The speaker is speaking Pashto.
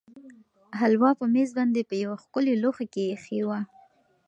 هلوا په مېز باندې په یوه ښکلي لوښي کې ایښې وه.